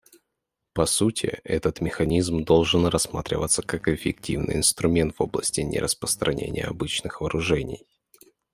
По сути, этот механизм должен рассматриваться как эффективный инструмент в области нераспространения обычных вооружений.